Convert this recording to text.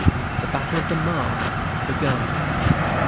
The battle of the Marne had begun.